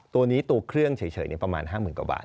ตัวนี้ตัวเครื่องเฉยประมาณ๕๐๐๐กว่าบาท